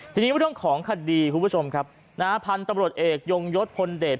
ทีนี้เรื่องของคดีคุณผู้ชมครับนะฮะพันธุ์ตำรวจเอกยงยศพลเดช